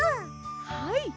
はい！